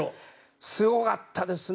すごかったですね。